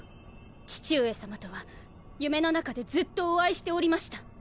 父上さまとは夢の中でずっとお会いしておりました。